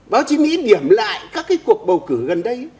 báo chí nghĩ điểm lại các cái cuộc bầu cử gần đây